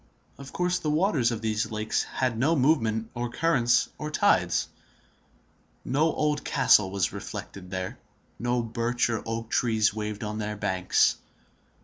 Of course the waters of these lakes had no movement of currents or tides; no old castle was reflected there; no birch or oak trees waved on their banks.